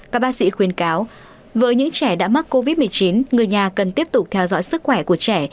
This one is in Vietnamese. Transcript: các bác sĩ khuyên cáo với những trẻ đã mắc covid một mươi chín người nhà cần tiếp tục theo dõi sức khỏe của trẻ